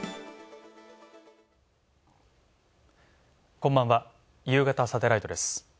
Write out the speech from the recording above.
こんばんは『ゆうがたサテライト』です。